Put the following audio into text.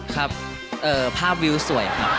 ครับภาพวิวสวยครับ